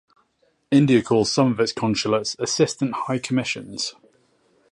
India calls some of its consulates "Assistant High Commissions".